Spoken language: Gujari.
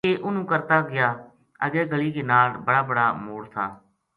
یہ اِنہوں کرتا گیا اگے گلی کے نال بڑا بڑ ا موڑ تھا